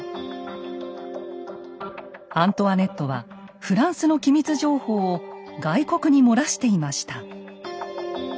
アントワネットはフランスの機密情報を外国に漏らしていました。